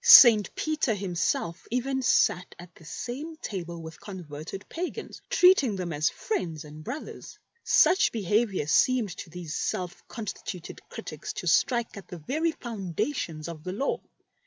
St. Peter himself even sat at the same table with con verted pagans, treating them as friends and brothers. Such behaviour seemed to these self consti tuted critics to strike at the very foundations of the Law.